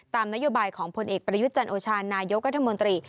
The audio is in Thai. นโยบายของผลเอกประยุทธ์จันโอชานายกรัฐมนตรี